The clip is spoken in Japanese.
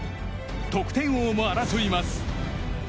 得点王も争います。